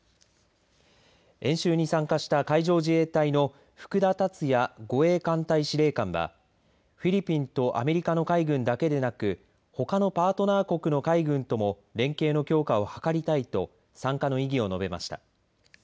演習に参加した海上自衛隊の福田達也護衛艦隊司令官はフィリピンとアメリカの海軍だけでなくほかのパートナー国の海軍とも連携の強化を図りたいと参加の意義を述べました。